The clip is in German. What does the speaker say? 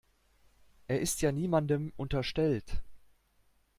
Er ist ja niemandem unterstellt.